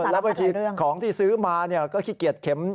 แล้วบางทีของที่ซื้อมาก็ขี้เกียจเข็ม